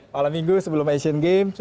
malam minggu sebelum asian games